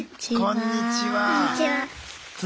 こんにちは。